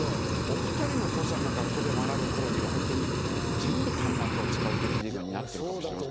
お二人のお子さんが学校で学ぶころにはホントに全部端末を使うって授業になってるかもしれません。